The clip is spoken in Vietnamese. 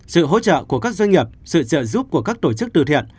sự hỗ trợ của các doanh nghiệp sự trợ giúp của các tổ chức từ thiện